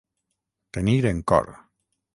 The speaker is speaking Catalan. Tenir en cor.